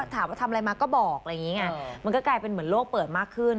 ถามว่าทำอะไรมาก็บอกมันก็กลายเป็นเหมือนโลกเปิดมากขึ้น